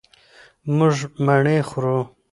مونږ مڼې خورو.